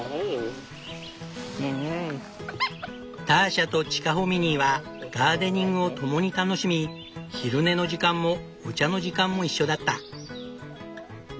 ターシャとチカホミニーはガーデニングを共に楽しみ昼寝の時間もお茶の時間も一緒だった。